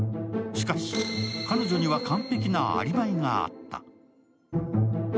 しかし彼女には完璧なアリバイがあった。